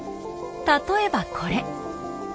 例えばこれ。